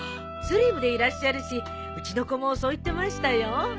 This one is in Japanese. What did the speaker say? スリムでいらっしゃるしうちの子もそう言ってましたよ。